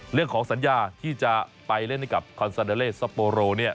เรื่องของสัญญาที่จะไปเล่นให้กับคอนซาเดอเลสซัปโปโร